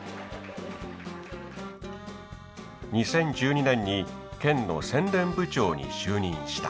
２０１２年に県の宣伝部長に就任した。